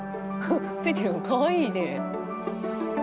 かわいいね。